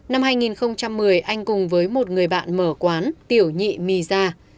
năm hai nghìn một mươi anh cùng với một người bạn mở quán tiểu nhị mì gia